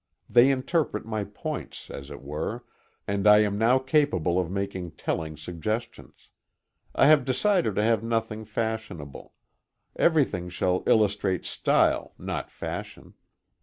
They interpret my points, as it were, and I am now capable of making telling suggestions. I have decided to have nothing fashionable. Everything shall illustrate style, not fashion.